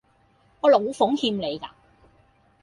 我老奉欠你架？